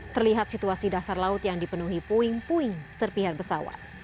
terlihat situasi dasar laut yang dipenuhi puing puing serpihan pesawat